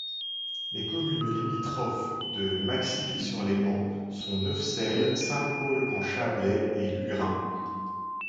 Les communes limitrophes de Maxilly-sur-Léman sont Neuvecelle, Saint-Paul-en-Chablais et Lugrin.